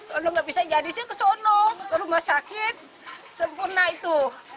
kalau nggak bisa jadi saya ke sana ke rumah sakit sempurna itu